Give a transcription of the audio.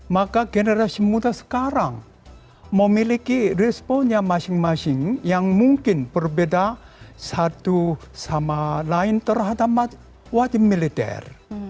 maka generasi muda sekarang memiliki responnya masing masing yang mungkin berbeda satu sama lain terhadap wajib militer